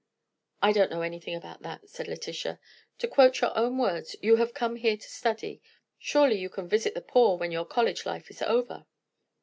"I don't know anything about that," said Letitia. "To quote your own words, you have come here to study. Surely you can visit the poor when you college life is over?"